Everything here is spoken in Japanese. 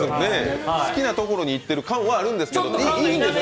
好きなところに行っている感はあるんですけれども。